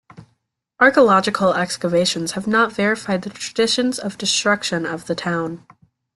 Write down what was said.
Archaeological excavations have not verified the traditions of destruction of the town.